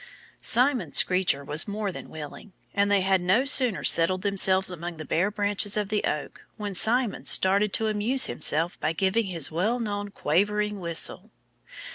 Simon Screecher was more than willing. And they had no sooner settled themselves among the bare branches of the oak when Simon started to amuse himself by giving his well known quavering whistle.